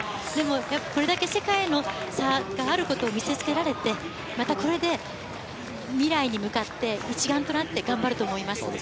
これだけ世界と差があることを見せつけられて、またこれで未来に向かって一丸となって頑張ると思います。